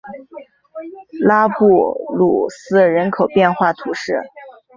拉布鲁斯人口变化图示